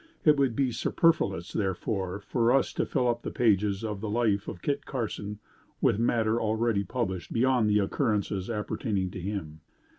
It would be superfluous, therefore, for us to fill up the pages of the life of Kit Carson with matter already published beyond the occurrences appertaining to him.